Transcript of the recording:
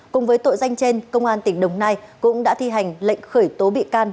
cùng với tội danh trên công an tỉnh đồng nai cũng đã thi hành lệnh khởi tố bị can